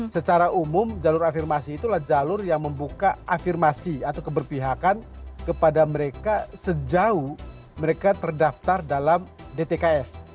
secara umum jalur afirmasi itulah jalur yang membuka afirmasi atau keberpihakan kepada mereka sejauh mereka terdaftar dalam dtks